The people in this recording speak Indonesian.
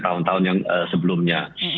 tahun tahun yang sebelumnya